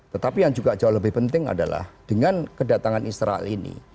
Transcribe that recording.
tetapi yang juga jauh lebih penting adalah dengan kedatangan israel ini